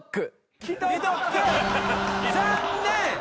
残念！